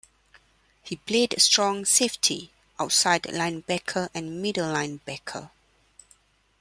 He played strong safety, outside linebacker and middle linebacker.